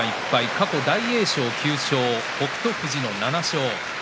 過去は大栄翔が９勝北勝富士が７勝。